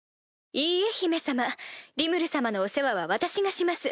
いいえ姫様リムル様のお世話は私がします。